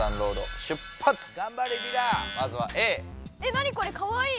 何これかわいい！